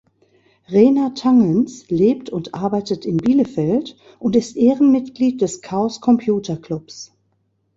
Rena Tangens lebt und arbeitet in Bielefeld und ist Ehrenmitglied des Chaos Computer Clubs.